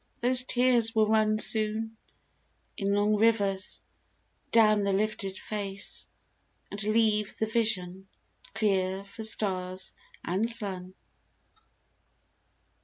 Those tears will run Soon, in long rivers, down the lifted face, And leave the vision clear for stars and sun.